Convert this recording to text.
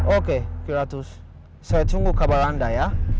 oke pilatus saya tunggu kabar anda ya